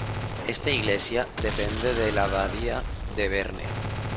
Esta iglesia depende de la abadía de Berne.